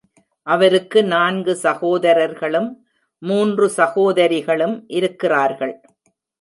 அவருக்கு நான்கு சகோதரர்களும் மூன்று சகோதரிகளும் இருக்கிறார்கள்.